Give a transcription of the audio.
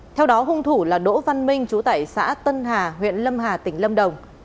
theo đó hung thủ là đỗ văn minh chú tẩy xã tân hà huyện lâm hà tỉnh lâm đồng